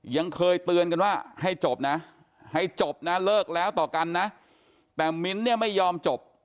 ยังเคยเตือนกันว่าให้จบนะให้จบนะเลิกแล้วต่อกันนะแต่มิ้นท์เนี่ยไม่ยอมจบ